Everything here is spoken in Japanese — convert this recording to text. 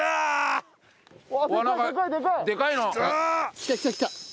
きたきたきた。